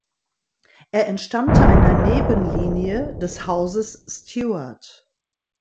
Er entstammte einer Nebenlinie des Hauses Stewart.